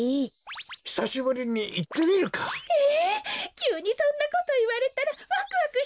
きゅうにそんなこといわれたらワクワクしちゃいますよ。